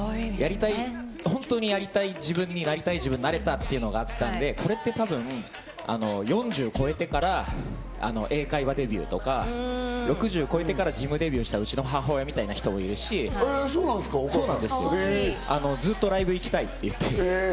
本当にやりたい自分に、なりたい自分になれたというのがあったんで、これって多分４０超えてから英会話デビューとか、６０超えてからジムデビューしたうちの母親みたいな人もいるし、ずっとライブ行きたいって言って。